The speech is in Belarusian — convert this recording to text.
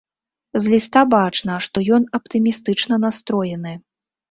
З ліста бачна, што ён аптымістычна настроены.